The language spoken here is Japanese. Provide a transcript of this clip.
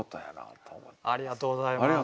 ありがとうございます。